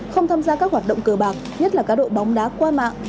không tham gia các hoạt động cờ bạc nhất là cá độ bóng đá qua mạng